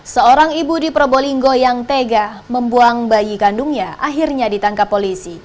seorang ibu di probolinggo yang tega membuang bayi kandungnya akhirnya ditangkap polisi